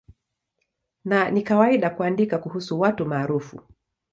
Na ni kawaida kuandika kuhusu watu maarufu.